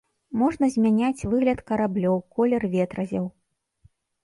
Можна змяняць выгляд караблёў, колер ветразяў.